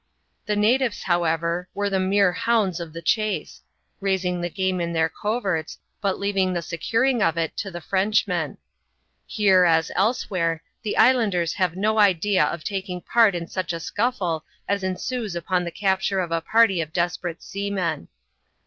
The natives, however, were the mere hounds of the chase, raising the game in their coverts, but leaving the securing of it to the Frenchmen. Here, as elsewhere, the islanders have no idea of taidng part in such a scuffle as ensues upon the capture of a party of desperate seamen.